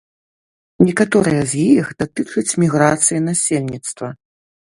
Некаторыя з іх датычаць міграцыі насельніцтва.